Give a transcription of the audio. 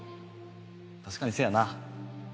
確かにせやな。